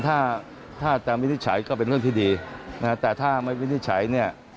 ถ้าถ้าจะวินิจฉัยก็เป็นเรื่องที่ดีนะฮะแต่ถ้าไม่วินิจฉัยเนี่ย